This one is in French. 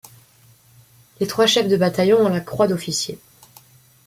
Les trois chefs de bataillon ont la croix d'officier.